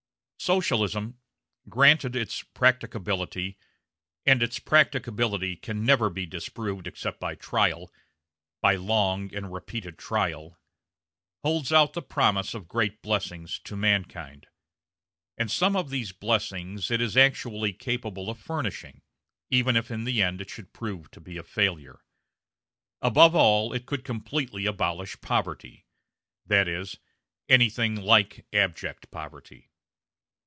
Socialism granted its practicability, and its practicability can never be disproved except by trial, by long and repeated trial holds out the promise of great blessings to mankind. And some of these blessings it is actually capable of furnishing, even if in the end it should prove to be a failure. Above all it could completely abolish poverty that is, anything like abject poverty.